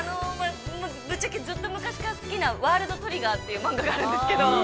◆ぶっちゃけずっと昔から好きなワールドトリガーという漫画があるんですけれども。